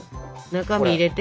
中身入れて。